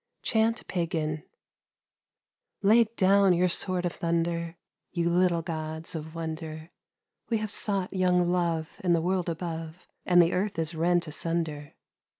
CHANT PAGAN LAY down your sword of thunder, You little gods of wonder ! We have sought young Love in the world above, And the earth is rent asunder.